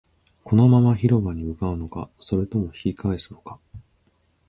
このまま広場に向かうのか、それとも引き返すのか